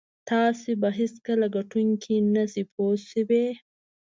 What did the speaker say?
تاسو به هېڅکله هم ګټونکی نه شئ پوه شوې!.